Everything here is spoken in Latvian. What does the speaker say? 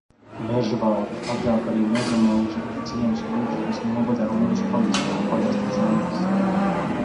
Mežvalde, agrāk arī Mežamuiža, ir ciems Kuldīgas novada Rumbas pagastā, pagasta centrs.